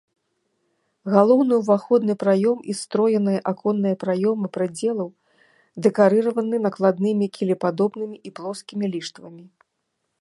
Галоўны ўваходны праём і строеныя аконныя праёмы прыдзелаў дэкарыраваны накладнымі кілепадобнымі і плоскімі ліштвамі.